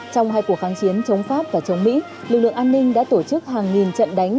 trong hai cuộc kháng chiến chống pháp và chống mỹ lực lượng an ninh đã tổ chức hàng nghìn trận đánh